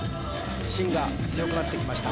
芯が強くなってきました